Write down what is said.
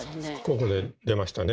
ここで出ましたね